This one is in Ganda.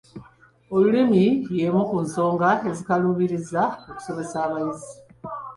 Olulimi y'emu ku nsonga ezikaluubiriza okusomesa abayizi?